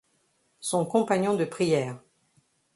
Son compagnon de prière.